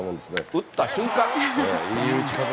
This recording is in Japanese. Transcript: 打った瞬間。